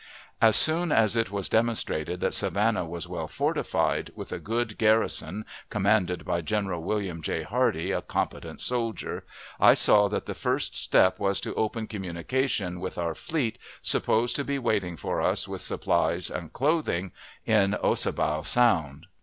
As soon as it was demonstrated that Savannah was well fortified, with a good garrison, commanded by General William J. Hardee, a competent soldier, I saw that the first step was to open communication with our fleet, supposed to be waiting for us with supplies and clothing in Ossabaw Sound.